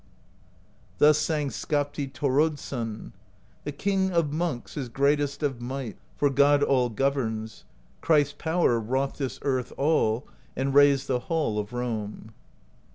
Thus sang Skapti Thoroddsson: The King of Monks is greatest Of might, for God all governs; Christ's power wrought this earth all, And raised the Hall of Rome.